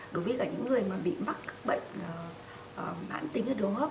đối với cả những người mà bị mắc các bệnh bản tính đối hợp